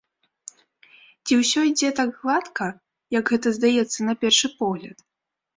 Ці ўсё ідзе так гладка, як гэта здаецца на першы погляд?